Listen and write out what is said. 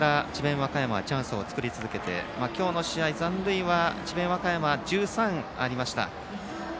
和歌山はチャンスを作り続けて今日の試合、残塁は智弁和歌山、１３ありました。